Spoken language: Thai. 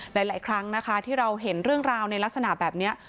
หลายครั้งนะคะที่เราเห็นเรื่องราวในลักษณะแบบนี้